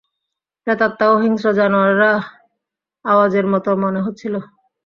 প্রেতাত্মা ও হিংস্র জানোয়ারের আওয়াজের মত মনে হচ্ছিল।